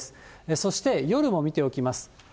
そして夜も見ておきます。